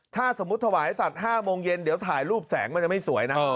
ถ้าสมมุติถวายสัตว์๕โมงเย็นเดี๋ยวถ่ายรูปแสงมันจะไม่สวยนะ